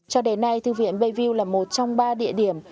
cho đến nay thư viện bayview là một trong ba địa điểm